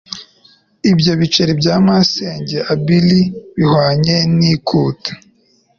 «Ibyo biceri by'amasenge abil-i bihwanye n'ikuta»,